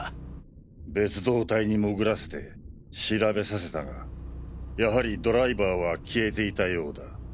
別働隊に潜らせて調べさせたがやはりドライバーは消えていたようだ。